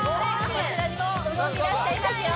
こちらにもう動きだしていますよ